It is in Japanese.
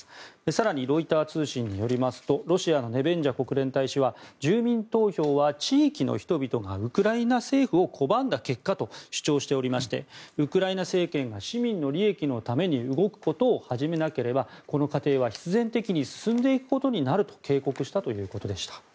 更に、ロイター通信によりますとロシアのネベンジャ国連大使は住民投票は地域の人々がウクライナ政府を拒んだ結果と主張しておりましてウクライナ政権が市民の利益のために動くことを始めなければこの過程は必然的に進んでいくことになると警告したということでした。